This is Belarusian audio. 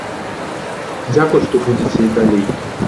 Дзякуй, што будзеце і далей!